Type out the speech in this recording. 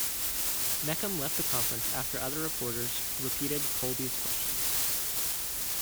Mecham left the conference after other reporters repeated Kolbe's questions.